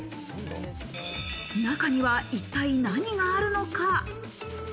中には一体何があるのか？